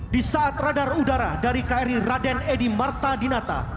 di saat radar udara dari kri raden edy marta dinata